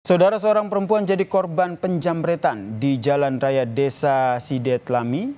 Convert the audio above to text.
saudara seorang perempuan jadi korban penjamretan di jalan raya desa sidet lami